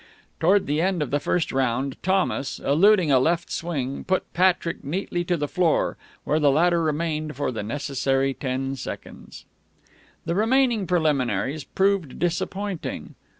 Toward the end of the first round Thomas, eluding a left swing, put Patrick neatly to the floor, where the latter remained for the necessary ten seconds. The remaining preliminaries proved disappointing.